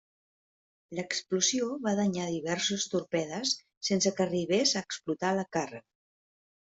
L'explosió va danyar diversos torpedes sense que arribés a explotar la càrrega.